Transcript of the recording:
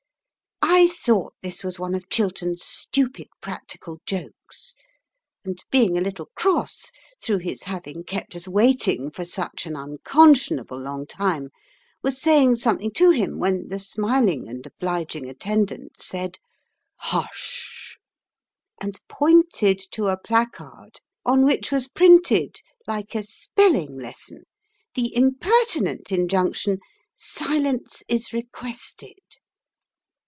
I thought this was one of Chiltern's stupid practical jokes, and being a little cross through his having kept us waiting for such an unconscionable long time, was saying something to him when the smiling and obliging attendant said, "Hush sh sh!" and pointed to a placard on which was printed, like a spelling lesson, the impertinent injunction "Silence is requested."